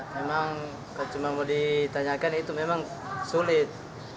memang kalau cuma mau ditanyakan itu memang sulit